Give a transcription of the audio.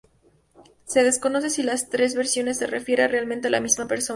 Se desconoce si las tres versiones se refieren realmente a la misma persona.